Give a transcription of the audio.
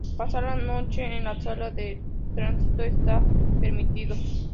Pasar la noche en la sala de tránsito está permitido.